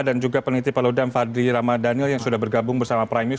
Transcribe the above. dan juga peneliti palau dam fadli rama daniel yang sudah bergabung bersama prime news